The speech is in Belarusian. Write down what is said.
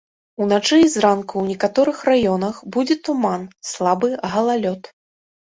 Уначы і зранку ў некаторых раёнах будзе туман, слабы галалёд.